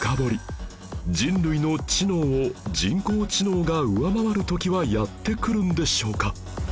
人類の知能を人工知能が上回る時はやってくるんでしょうか？